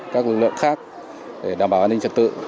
các lực lượng khác để đảm bảo an ninh trật tự